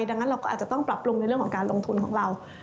ดังนั้นเราก็อาจจะต้องปรับปรุงในเรื่องของการลงทุนของเรา